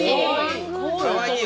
かわいい！